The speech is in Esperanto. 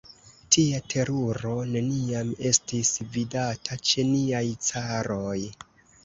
Tia teruro neniam estis vidata ĉe niaj caroj!